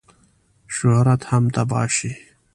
شهرت هم تباه شي.